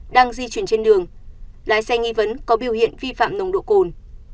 hai mươi bảy nghìn chín mươi hai đang di chuyển trên đường lái xe nghi vấn có biểu hiện vi phạm nồng độ cồn